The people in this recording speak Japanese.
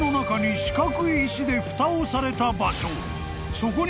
［そこに］